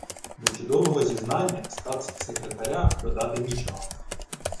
До чудового зізнання статс-секретаря додати нічого